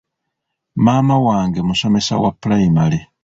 Maama wange musomesa wa pulayimale.